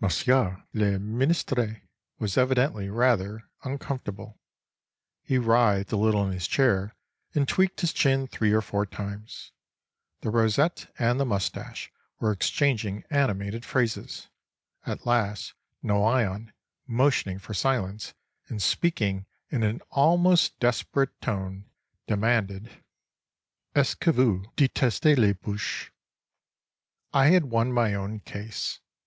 Monsieur le Ministre was evidently rather uncomfortable. He writhed a little in his chair, and tweaked his chin three or four times. The rosette and the moustache were exchanging animated phrases. At last Noyon, motioning for silence and speaking in an almost desperate tone, demanded: "Est ce que vous détestez les boches?" I had won my own case.